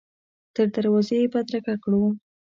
تر دروازې یې بدرګه کړو.